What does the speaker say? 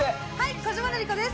小島瑠璃子です。